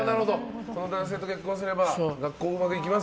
この男性と結婚すれば学校もうまくいきます